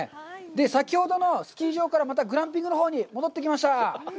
先ほどのスキー場からまたグランピングのほうに戻ってきました。